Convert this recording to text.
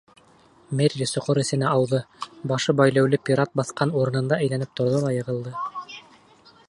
Мерри соҡор эсенә ауҙы, башы бәйләүле пират баҫҡан урынында әйләнеп торҙо ла йығылды.